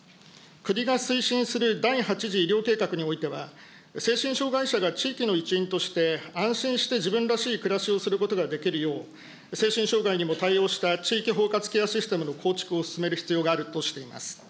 国が推進する第８次医療計画においては、精神障害者が地域の一員として、安心して自分らしい暮らしをすることができるよう、精神障害にも対応した地域包括ケアシステムの構築を進める必要があるとしています。